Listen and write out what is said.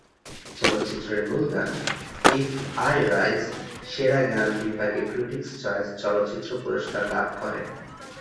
চলচ্চিত্রের মূল গান "ইফ আই রাইজ" সেরা গান বিভাগে ক্রিটিকস চয়েস চলচ্চিত্র পুরস্কার লাভ করে।